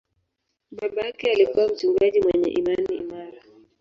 Baba yake alikuwa mchungaji mwenye imani imara.